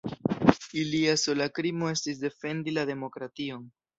Ilia sola krimo estis defendi la demokration.